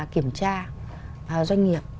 kiểm tra doanh nghiệp